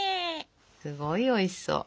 すごいおいしそう。